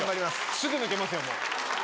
すぐ抜けますよ